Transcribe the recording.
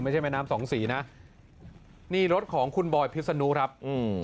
แม่น้ำสองสีนะนี่รถของคุณบอยพิษนุครับอืม